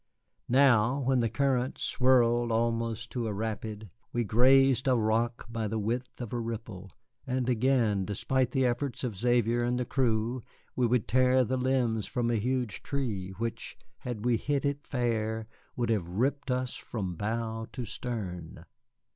Now, when the current swirled almost to a rapid, we grazed a rock by the width of a ripple; and again, despite the effort of Xavier and the crew, we would tear the limbs from a huge tree, which, had we hit it fair, would have ripped us from bow to stern.